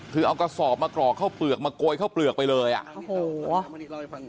คือเอากระสอบมากรอกเข้าเปลือกมาโกยเข้าเปลือกไปเลยอ่ะโอ้โห